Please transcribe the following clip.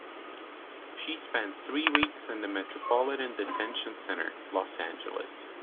She spent three weeks in the Metropolitan Detention Center, Los Angeles.